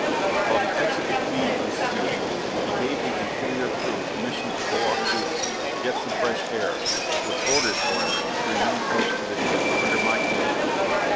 While the exit was being unsealed, he gave the interior crew permission to go off duty, to get some fresh air, with orders, however, to remain close to the ship, under my command.